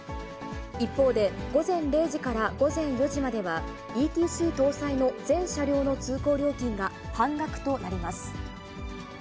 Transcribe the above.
一方で、午前０時から午前４時までは、ＥＴＣ搭載の全車両の通行料金が半額となります。